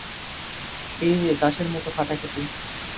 এইযে দাসের মত খাটাখাটি।